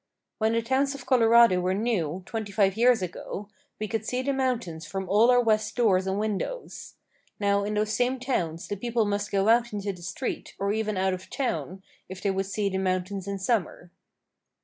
When the towns of Colorado were new, twenty five years ago, we could see the mountains from all our west doors and windows. Now in those same towns the people must go out into the street, or even out of town, if they would see the mountains in summer.